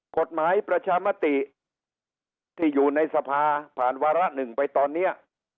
กฎหมายประชามติที่อยู่ในสภาผ่านวาระหนึ่งไปตอนนี้